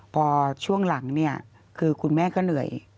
พอช่วงหลังเนี่ยคือคุณแม่ก็เหนื่อย